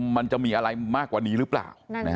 มันจะมีอะไรมากกว่านี้หรือเปล่า